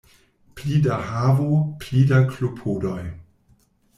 Pli da havo, pli da klopodoj.